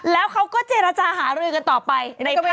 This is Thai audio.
แล้วเขาก็เจรจาหารือกันต่อไป